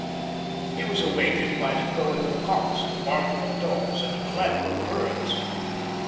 He was awakened by the crowing of cocks, the barking of dogs, and a clamour of birds.